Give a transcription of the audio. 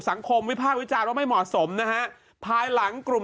วิภาควิจารณ์ว่าไม่เหมาะสมนะฮะภายหลังกลุ่ม